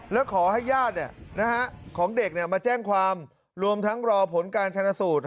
แล้วขอให้ญาติของเด็กมาแจ้งความรวมทั้งรอผลการชนะสูตร